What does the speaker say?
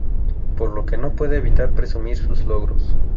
Por lo que no puede evitar presumir sus logros.